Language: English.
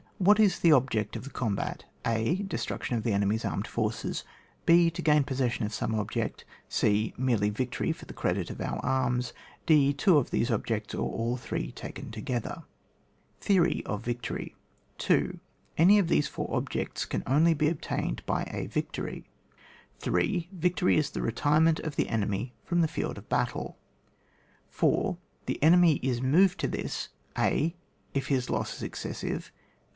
What is the object of the combat ? a. DeBtnictioii of the enemy's armed forces. h. To gain possession of some ob ject c. Merely victory for the credit of our arms. d. Two of these objects, or aU three taken together. Theory of Victory. 2. Any of these four objects can only be obtained by a victory. 3. Victory is the retirement of the enemy from the field of battle. 4. The enemy is moved to this :— a. If his loss is excessive.